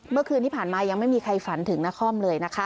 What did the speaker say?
เมื่อคืนที่ผ่านมายังไม่มีใครฝันถึงนครเลยนะคะ